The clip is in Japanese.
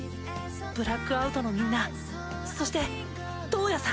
ブラックアウトのみんなそしてトウヤさん。